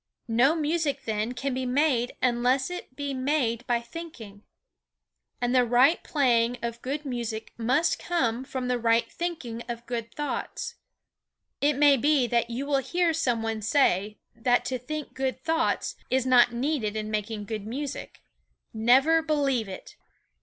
No music, then, can be made unless it be made by thinking. And the right playing of good music must come from the right thinking of good thoughts. It may be that you will hear some one say that to think good thoughts is not needed in making good music. Never believe it!